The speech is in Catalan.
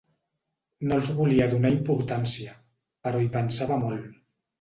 No els volia donar importància, però hi pensava molt.